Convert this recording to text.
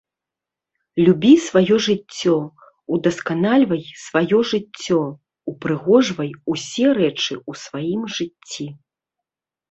Любі сваё жыццё, удасканальвай сваё жыццё, упрыгожвай усе рэчы у сваім жыцці.